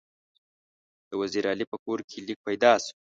د وزیر علي په کور کې لیک پیدا شو.